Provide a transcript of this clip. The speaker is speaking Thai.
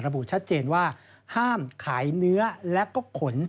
บุชัดเจนว่าห้ามขายเนื้อและก็ขน